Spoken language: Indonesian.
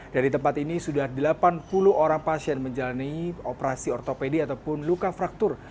dari tempat ini sudah delapan puluh orang pasien menjalani operasi ortopedi ataupun luka fraktur